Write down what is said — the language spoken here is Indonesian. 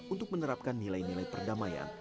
untuk menerapkan nilai nilai perdamaian